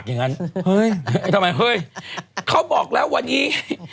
เค้าบอกแล้ววันนี้